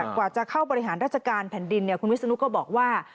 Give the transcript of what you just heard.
กว่าจะเข้าบริหารราชการแผ่นดินคุณวิศนุก็บอกว่า